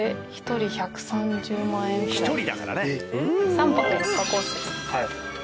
３泊４日コースですので。